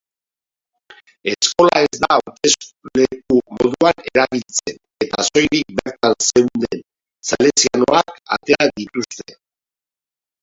Eskola ez da hautesleku moduan erabiltzen eta soilik bertan zeuden salesianoak atera dituzte.